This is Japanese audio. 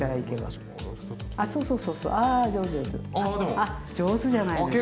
あっ上手じゃないですか。